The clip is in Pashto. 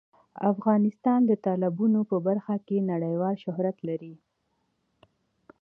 افغانستان د تالابونه په برخه کې نړیوال شهرت لري.